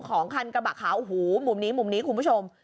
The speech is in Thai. ของกระบาดขาวอัฮูมุมนี้คุณผู้ชม